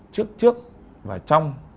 trước trước và trong